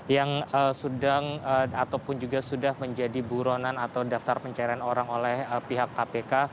yang sedang ataupun juga sudah menjadi buronan atau daftar pencairan orang oleh pihak kpk